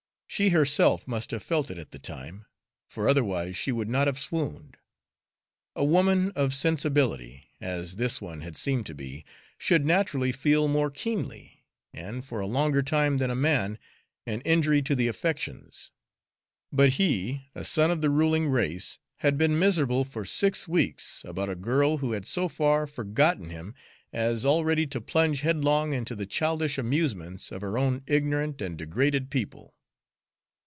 she herself must have felt it at the time, for otherwise she would not have swooned. A woman of sensibility, as this one had seemed to be, should naturally feel more keenly, and for a longer time than a man, an injury to the affections; but he, a son of the ruling race, had been miserable for six weeks about a girl who had so far forgotten him as already to plunge headlong into the childish amusements of her own ignorant and degraded people.